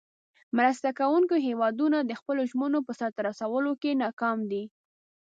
مرسته کوونکې هیوادونه د خپلو ژمنو په سر ته رسولو کې ناکام دي.